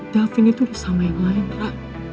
davin itu udah sama yang lain ra